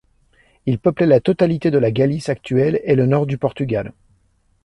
Ils peuplaient la totalité de la Galice actuelle et le nord du Portugal.